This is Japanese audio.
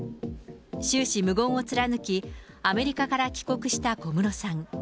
終始、無言を貫き、アメリカから帰国した小室さん。